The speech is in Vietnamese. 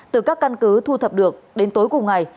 từ các căn cứ thu thập được đến tối cùng ngày